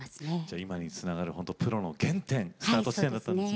じゃ今につながるほんとプロの原点スタート地点だったんですね。